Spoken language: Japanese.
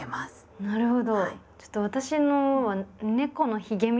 なるほど。